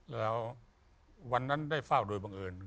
แล้ววันนั้นได้เฝ้าโดยบังเอิญ